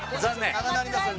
長なりますよね。